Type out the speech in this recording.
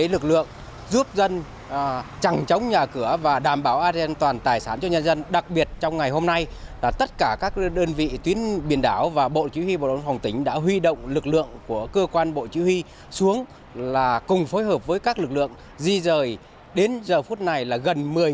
lực lượng bộ đội biên phòng tỉnh quảng nam phối hợp với chính quyền địa phương